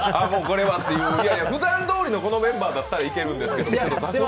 いや、ふだんどおりのこのメンバーだったらいけるんですけどね